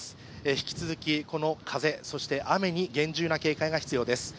引き続き、この風、そして雨に厳重な警戒が必要です。